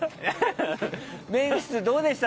メンフィス、どうでした？